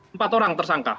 empat orang tersangka